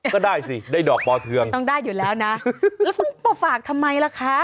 ก็ได้สิได้ดอกปอเทืองต้องได้อยู่แล้วนะแล้วต้องมาฝากทำไมล่ะคะ